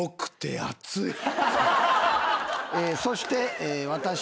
そして私は。